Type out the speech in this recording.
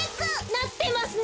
なってますね。